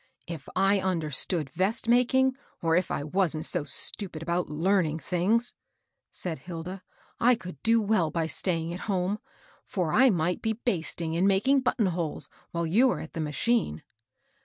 " K I understood vest making, or if I wasn't so stupid about learning things," said Hilda, '* I could do well by staying at home ; for I might be THE "STRIKE," 175 basting and making button holes while you are at the machine."